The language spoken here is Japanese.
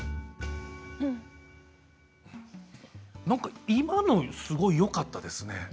なんか今のすごくよかったですね